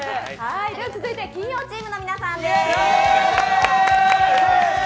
続いて金曜チームの皆さんです。